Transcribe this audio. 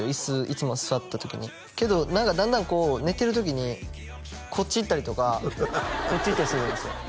いつも座った時にけど何かだんだんこう寝てる時にこっち行ったりとかこっち行ったりするんですよ